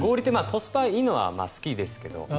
コスパがいいのは好きですけど。